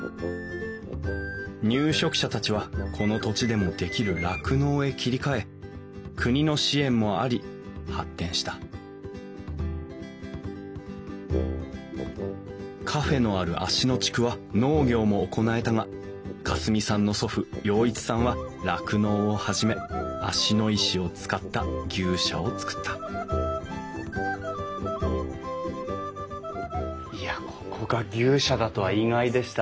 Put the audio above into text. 入植者たちはこの土地でもできる酪農へ切り替え国の支援もあり発展したカフェのある芦野地区は農業も行えたが夏澄さんの祖父洋一さんは酪農を始め芦野石を使った牛舎を造ったいやここが牛舎だとは意外でした。